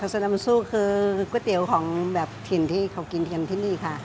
ข้าวซอยน้ำซู่คือก๋วยเตี๋ยวของแบบถิ่นที่เขากินที่นี่ค่ะ